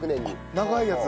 長いやつ？